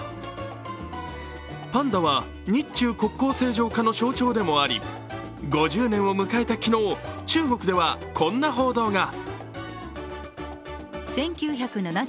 パンダは日中国交正常化の象徴でもあり、５０年を迎えた昨日、中国ではこんな報道が。